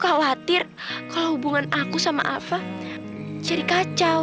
aku khawatir kalau hubungan aku sama alva jadi kacau